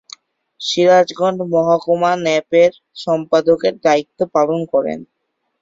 সিরাজগঞ্জ মহকুমা ন্যাপের সম্পাদকের দায়িত্ব পালন করেন।